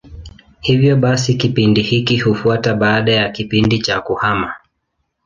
Hivyo basi kipindi hiki hufuata baada ya kipindi cha kuhama.